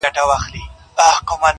یو له بله بېلېدل سوه د دوستانو؛